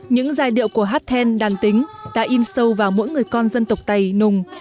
những giai điệu của hát then đàn tính đã in sâu vào mỗi người con dân tộc tây nùng